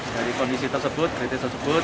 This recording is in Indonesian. dari kondisi tersebut